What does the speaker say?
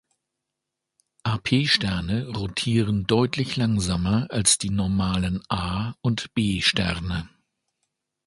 Ap-Sterne rotieren deutlich langsamer als die normalen A- und B-Sterne.